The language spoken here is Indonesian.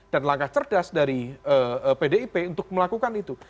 dan langkah cerdas dari pdip untuk melakukan itu